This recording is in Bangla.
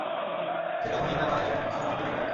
সে তখনই ইকরামা এবং সফওয়ানকে ডেকে পাঠায়।